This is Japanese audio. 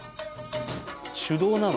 手動なの？